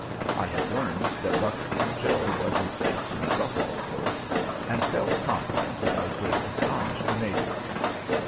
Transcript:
I had learned that Buckskin Joe was an excellent buffalo horse, and felt confident that I would astonish the natives.